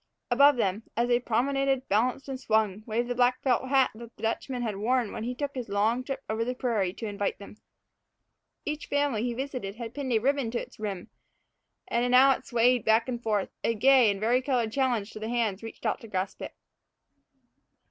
Above them, as they promenaded, balanced, and swung, waved the black felt hat that the Dutchman had worn when he took his long trip over the prairie to invite them. Each family he visited had pinned a ribbon to its rim; and now it swayed back and forth, a gay and varicolored challenge to the hands reached out to grasp it.